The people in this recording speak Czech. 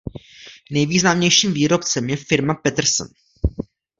Nejznámějším výrobcem je firma Peterson.